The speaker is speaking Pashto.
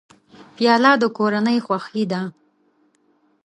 پیاله د کورنۍ خوښي ده.